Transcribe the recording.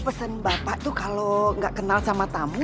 pesan bapak tuh kalo gak kenal sama tamu